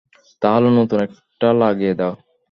তাহলে নতুন একটা লাগিয়ে দাও।